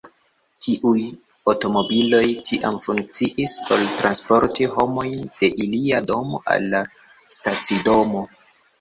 Tiuj aŭtomobiloj tiam funkciis por transporti homojn de ilia domo al la stacidomo.